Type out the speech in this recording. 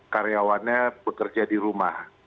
karyawannya bekerja di rumah